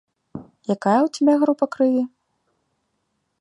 Якая ў цябе група крыві?